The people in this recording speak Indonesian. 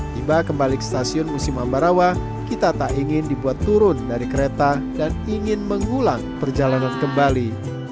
tiba kembali ke stasiun musim ambarawa kita tak ingin dibuat turun dari kereta dan ingin mengulang perjalanan kembali